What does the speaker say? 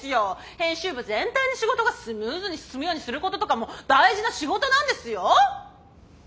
編集部全体の仕事がスムーズに進むようにすることとかも大事な仕事なんですよ！